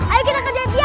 ayo kita kerja dia